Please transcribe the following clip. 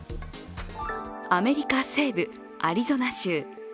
アメリカ西部アリゾナ州。